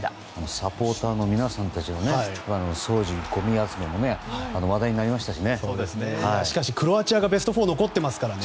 サポーターの皆さんたちのお掃除、ごみ集めもクロアチアがベスト４に残っていますからね。